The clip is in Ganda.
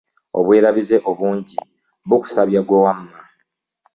Obwerabize obunji bukusabya gwe wamma .